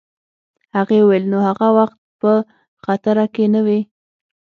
هغې وویل: نو هغه وخت په خطره کي نه وې؟